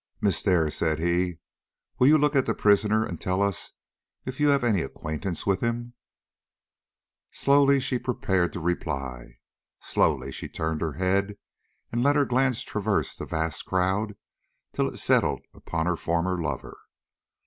"Miss Dare," said he, "will you look at the prisoner and tell us if you have any acquaintance with him?" Slowly she prepared to reply; slowly she turned her head and let her glance traverse that vast crowd till it settled upon her former lover.